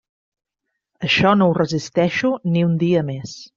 Això no ho resisteixo ni un dia més.